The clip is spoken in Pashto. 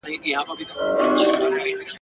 غواړم یوازي در واري سمه جانان یوسفه !.